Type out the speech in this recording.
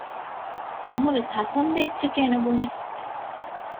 ނަމަވެސް ހަސަންބެ އެއްޗެކޭނުބުނެ